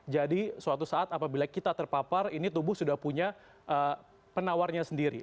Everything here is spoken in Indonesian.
jadi suatu saat apabila kita terpapar ini tubuh sudah punya penawarnya sendiri